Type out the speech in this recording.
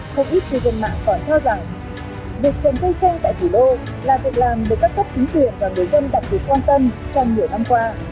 không ít cư dân mạng còn cho rằng việc trồng cây xanh tại thủ đô là việc làm được các cấp chính quyền và người dân đặc biệt quan tâm trong nhiều năm qua